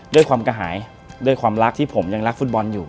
ด้วยความกระหายด้วยความรักที่ผมยังรักฟุตบอลอยู่